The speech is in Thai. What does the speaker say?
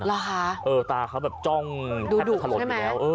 รอคะดูดุกใช่มั้ยเออตาเขาแบบจ้องแทบทะลดอยู่แล้ว